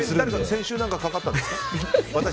先週誰かかかったんですか？